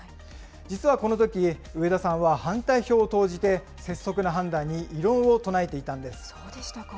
実はこのとき、植田さんは反対票を投じて拙速な判断に異論を唱えそうでしたか。